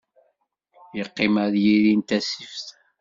Yeqqim ar yiri n tasift.